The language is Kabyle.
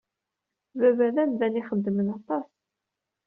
Baba d amdan ay ixeddmen aṭas.